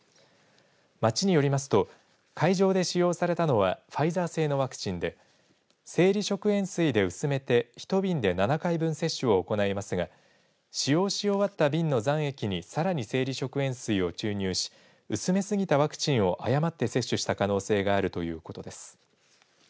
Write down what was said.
町によりますと会場で使用されたのはファイザー製のワクチンで生理食塩水で薄めて１瓶で７回分接種を行いますが使用し終わった瓶の残液にさらに生理食塩水を注入し薄めすぎたワクチンを誤って接種した可能性があるということです。